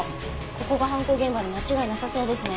ここが犯行現場で間違いなさそうですね。